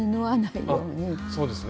そうですね。